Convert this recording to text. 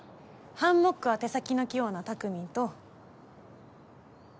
ハンモックは手先の器用なたくみんと。